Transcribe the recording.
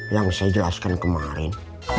yang saya jelaskan kemarin